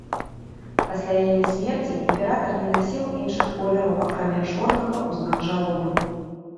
Пасля яе смерці імператар не насіў іншых колераў акрамя чорнага ў знак жалобы.